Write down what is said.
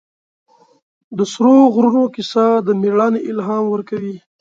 د سرو غرونو کیسه د مېړانې الهام ورکوي.